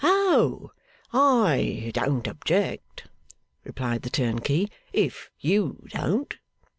'Oh! I don't object,' replied the turnkey, 'if you don't.